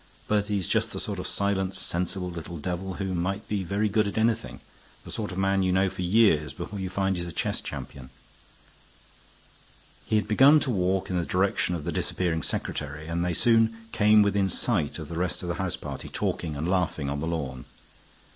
But he's just the sort of silent, sensible little devil who might be very good at anything; the sort of man you know for years before you find he's a chess champion." He had begun to walk in the direction of the disappearing secretary, and they soon came within sight of the rest of the house party talking and laughing on the lawn.